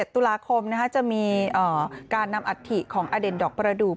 ตุลาคมจะมีการนำอัฐิของอเด่นดอกประดูก